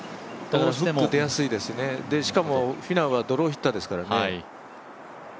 だからフック出やすいですね、しかもフィナウはドローヒッターですからね。